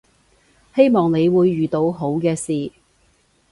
希望你會遇到好嘅事